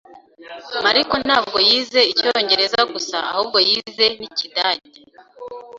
Mariko ntabwo yize icyongereza gusa ahubwo yize n'ikidage.